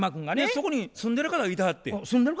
そこに住んでる方がいてはって。